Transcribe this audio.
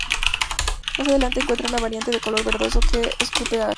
Más adelante encuentras una variante, de color verdoso, que escupe ácido.